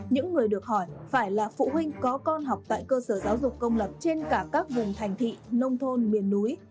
những người được hỏi phải là phụ huynh có con học tại cơ sở giáo dục công lập trên cả các vùng thành thị nông thôn miền núi